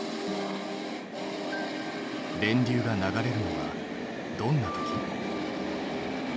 電流が流れるのはどんなとき？